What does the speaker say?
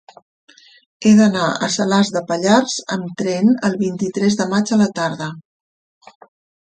He d'anar a Salàs de Pallars amb tren el vint-i-tres de maig a la tarda.